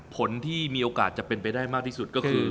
ผลที่มีโอกาสจะเป็นไปได้มากที่สุดก็คือ